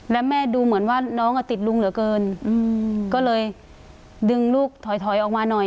แล้วแม่ดูเหมือนว่าน้องอ่ะติดลุงเหลือเกินก็เลยดึงลูกถอยถอยออกมาหน่อย